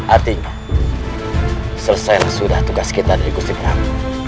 artinya selesailah sudah tugas kita dari gusti perang